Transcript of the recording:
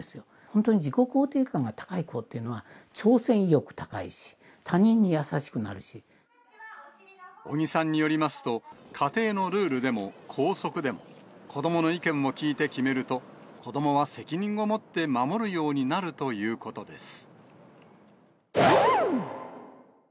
本当に自己肯定感が高い子というのは、挑戦意欲高いし、他人に優尾木さんによりますと、家庭のルールでも、校則でも、子どもの意見を聞いて決めると、子どもは責任を持って守るようになるということです。